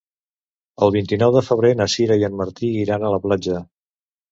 El vint-i-nou de febrer na Sira i en Martí iran a la platja.